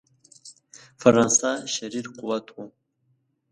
فرانسه شریر قوت وو.